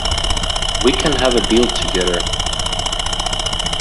We can have a deal together.